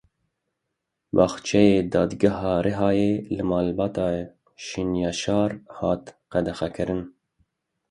Baxçeyê Dadgeha Rihayê li Malbata Şenyaşar hat qedexekirin.